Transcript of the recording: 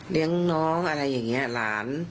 เลี้ยงน้องอะไรอย่างเงี้ยหลาน